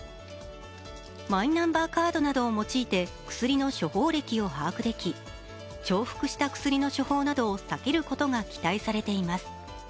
マイナンバーカードなどを用いて薬の処方歴を把握でき重複した薬の処方などを避けることが期待されています。